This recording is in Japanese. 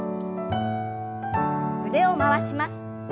腕を回します。